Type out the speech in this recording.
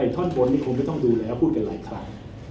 ท่อนบนนี่คงไม่ต้องดูแล้วพูดกันหลายครั้ง